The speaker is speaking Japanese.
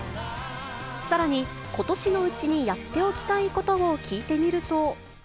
さらに、ことしのうちにやっておきたいことを聞いてみると。